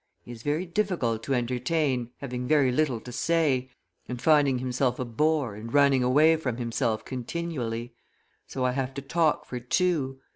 He is very difficult to entertain, having very little to say, and finding himself a bore, and running away from himself continually; so I have to talk for two.